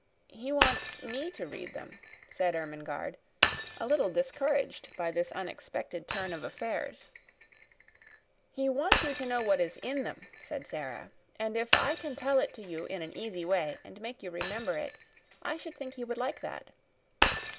"He wants me to read them," said Ermengarde, a little discouraged by this unexpected turn of affairs. "He wants you to know what is in them," said Sara. "And if I can tell it to you in an easy way and make you remember it, I should think he would like that."